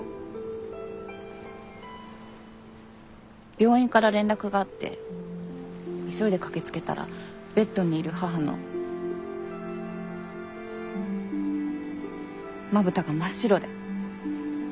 病院から連絡があって急いで駆けつけたらベッドにいる母のまぶたが真っ白で。